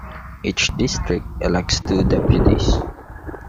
Each district elects two deputies.